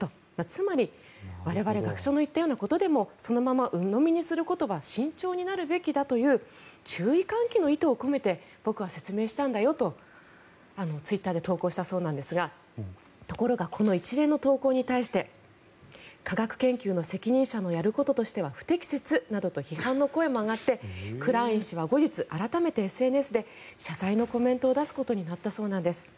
つまり我々、学者の言ったようなことでもそのままうのみにすることは慎重になるべきだという注意喚起の意図を込めて僕は説明したんだよとツイッターで投稿したそうなんですがところがこの一連の投稿に対して科学研究の責任者のやることとしては不適切などと批判の声も上がってクライン氏は後日、改めてＳＮＳで謝罪のコメントを出すことになったそうなんです。